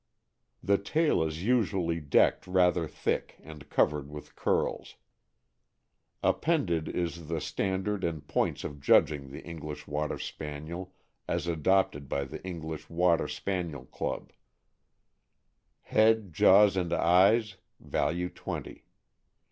The tail is usually decked rather thick and covered with curls. Appended is the standard and points of judging the English Water Spaniel as adopted by the English Water Spaniel Club : Value.